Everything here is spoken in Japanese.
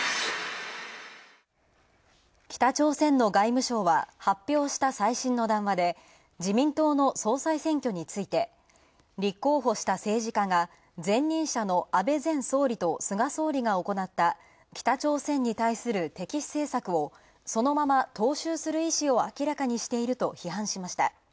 北朝鮮の外務省は、発表した最新の談話で自民党の総裁選挙について立候補した政治家が、前任者の安倍前総理と菅総理が行った北朝鮮に対する敵視政策をそのまま踏襲する意思を明らかにしていると批判しました。